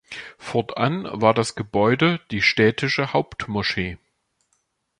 Fortan war das Gebäude die städtische Hauptmoschee.